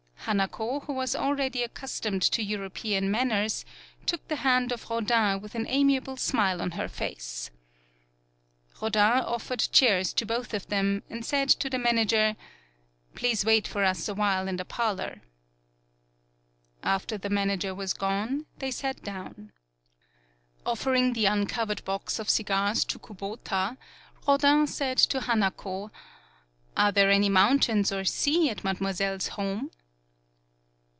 Hanako, who was already accus tomed to European manners, took the hand of Rodin with an amiable smile on her face. Rodin offered chairs to both of them, and said to the manager: "Please wait for us a while in the parlor.'* After the manager was gone, they sat down. Offering the uncovered box of cigars to Kubota, Rodin said to Hanako: "Are there any mountains or sea at Mademoiselle's home?'